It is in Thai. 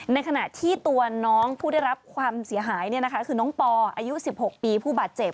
ในขณะที่ตัวน้องผู้ได้รับความเสียหายคือน้องปออายุ๑๖ปีผู้บาดเจ็บ